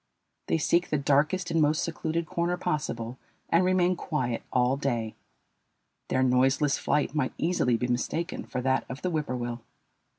They seek the darkest and most secluded corner possible and remain quiet all day. Their noiseless flight might easily be mistaken for that of the whippoorwill.